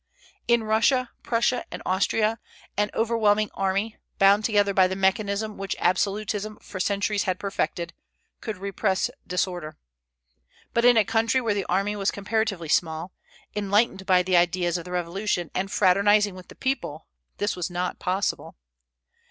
In Russia, Prussia, and Austria an overwhelming army, bound together by the mechanism which absolutism for centuries had perfected, could repress disorder; but in a country where the army was comparatively small, enlightened by the ideas of the Revolution and fraternizing with the people, this was not possible.